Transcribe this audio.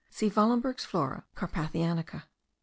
See Wahlenberg's Flora Carpathianica.